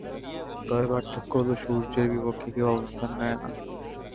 তবে পার্থক্য হলো, সূর্যের বিপক্ষে কেউ অবস্থান নেয় না।